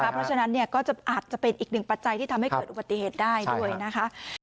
เพราะฉะนั้นก็อาจจะเป็นอีกหนึ่งปัจจัยที่ทำให้เกิดอุบัติเหตุได้ด้วยนะคะ